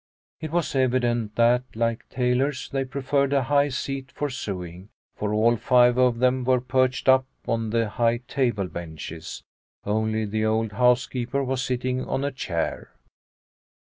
It was evident that, like tailors, they preferred a high seat for sewing, for all five of them were perched up on the high table benches. Only the old housekeeper was sitting on a chair.